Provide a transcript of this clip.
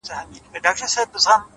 صبر وکړه لا دي زمانه راغلې نه ده!